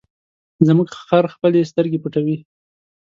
زموږ خر خپلې سترګې پټوي.